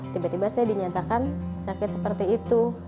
tiba tiba saya dinyatakan sakit seperti itu